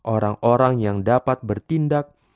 orang orang yang dapat bertindak